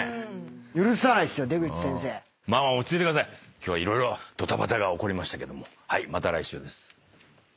今日は色々ドタバタが起こりましたけどまた来週です。